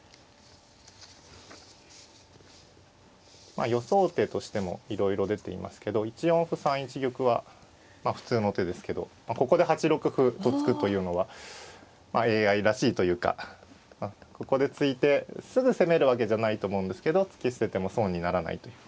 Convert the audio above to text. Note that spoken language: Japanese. まあ予想手としてもいろいろ出ていますけど１四歩３一玉はまあ普通の手ですけどここで８六歩と突くというのはＡＩらしいというかここで突いてすぐ攻めるわけじゃないと思うんですけど突き捨てても損にならないという。